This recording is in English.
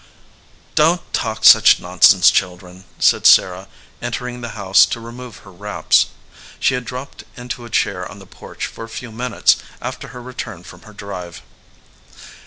"Don t talk such nonsense, children," said Sarah, entering the house to remove her wraps. She had dropped into a chair on the porch for a few minutes after her return from her drive.